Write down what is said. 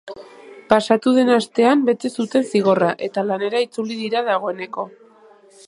Pasatu den astean bete zuten zigorra, eta lanera itzuli dira dagoeneko.